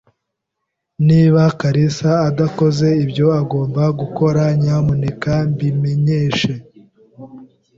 Niba kalisa adakoze ibyo agomba gukora, nyamuneka mbimenyeshe.